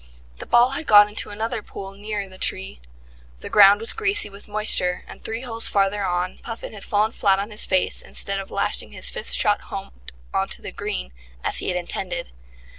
The ball had gone into another pool nearer the tee. The ground was greasy with moisture, and three holes farther on Puffin had fallen flat on his face instead of lashing his fifth shot home on to the green, as he had intended.